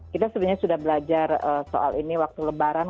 kita sebenarnya sudah belajar soal ini waktu lebaran